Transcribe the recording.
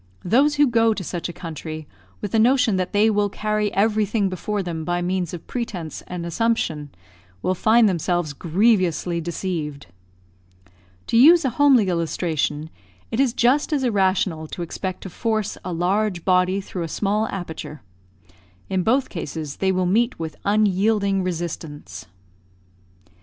Those who go to such a country with the notion that they will carry everything before them by means of pretence and assumption, will find themselves grievously deceived. To use a homely illustration, it is just as irrational to expect to force a large body through a small aperture. In both cases they will meet with unyielding resistance.